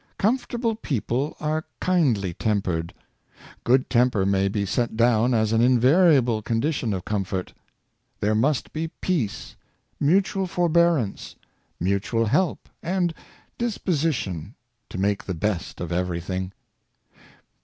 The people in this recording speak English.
Comfortable people are kindly tempered. Good temper may be set down as an invariable condition of comfort. There must be peace, mutual forbearance, mutual help, and disposition to make the best of every thing.